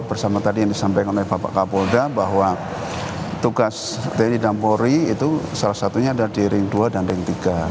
bersama tadi yang disampaikan oleh bapak kapolda bahwa tugas tni dan polri itu salah satunya ada di ring dua dan ring tiga